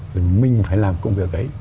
rồi mình phải làm công việc ấy